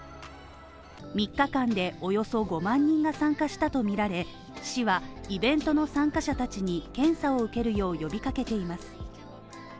３日間でおよそ５万人が参加したとみられ、市はイベントの参加者たちに検査を受けるよう呼びかけています。